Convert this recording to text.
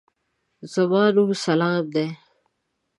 زما نوم سلام دی.